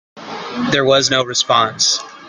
There was no response.